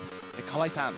川井さん